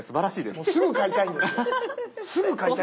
すぐ買いたいんですよ。